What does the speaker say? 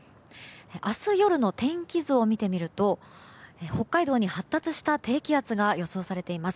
明日夜の天気図を見てみると北海道に発達した低気圧が予想されています。